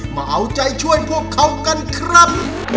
มาเอาใจช่วยพวกเขากันครับ